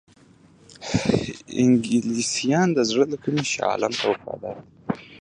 انګلیسیان د زړه له کومي شاه عالم ته وفادار دي.